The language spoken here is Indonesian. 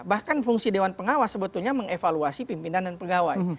bahkan fungsi dewan pengawas sebetulnya mengevaluasi pimpinan dan pegawai